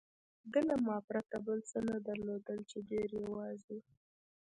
ده له ما پرته بل څه نه درلودل، چې ډېر یوازې و.